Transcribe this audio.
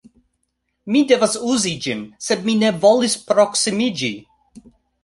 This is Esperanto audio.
Mi devas uzi ĝin sed mi ne volis proksimiĝi